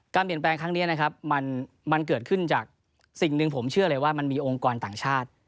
เปลี่ยนแปลงครั้งนี้นะครับมันเกิดขึ้นจากสิ่งหนึ่งผมเชื่อเลยว่ามันมีองค์กรต่างชาติ